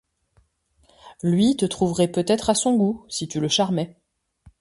Lui te trouverait peut-être à son goût, si tu le charmais.